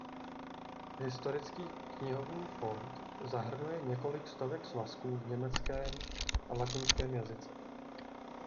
Historický knihovní fond zahrnuje několik stovek svazků v německém a latinském jazyce.